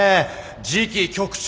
次期局長！